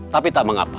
tapi tak mengapa